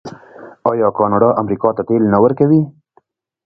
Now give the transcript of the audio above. آیا کاناډا امریکا ته تیل نه ورکوي؟